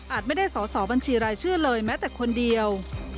ไม่ได้สอสอบัญชีรายชื่อเลยแม้แต่คนเดียว